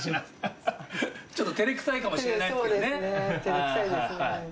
ちょっと照れくさいかもしれないですけどね。